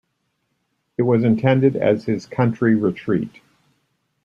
It was intended as his country retreat.